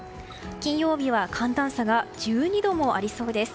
金曜日は寒暖差が１２度もありそうです。